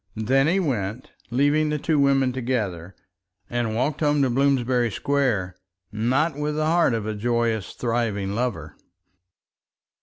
Then he went, leaving the two women together, and walked home to Bloomsbury Square, not with the heart of a joyous thriving lover.